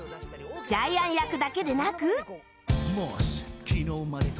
ジャイアン役だけでなく